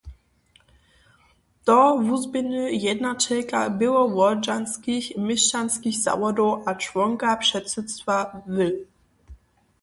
To wuzběhny jednaćelka Běłowodźanskich měšćanskich zawodow a čłonka předsydstwa WiL.